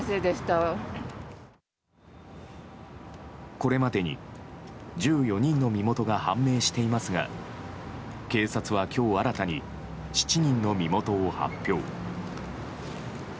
これまでに１４人の身元が判明していますが警察は今日新たに７人の身元を発表。